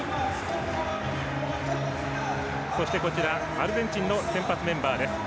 アルゼンチンの先発メンバーです。